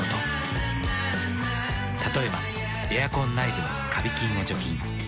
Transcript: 例えばエアコン内部のカビ菌を除菌。